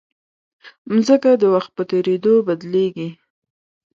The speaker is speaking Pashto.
مځکه د وخت په تېرېدو بدلېږي.